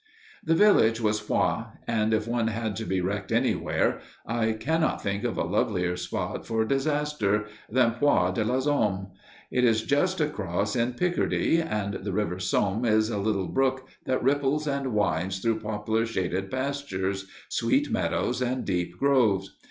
The village was Poix; and if one had to be wrecked anywhere, I cannot think of a lovelier spot for disaster than Poix de la Somme. It is just across in Picardy, and the river Somme is a little brook that ripples and winds through poplar shaded pastures, sweet meadows, and deep groves.